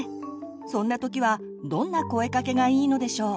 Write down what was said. そんなときはどんな声かけがいいのでしょう？